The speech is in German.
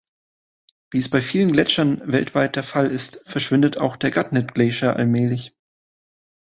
Wie es bei vielen Gletschern weltweit der Fall ist, verschwindet auch der Gannett Glacier allmählich.